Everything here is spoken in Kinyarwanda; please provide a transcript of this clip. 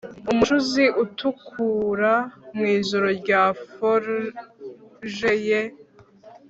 Umucuzi utukura mwijoro rya forge ye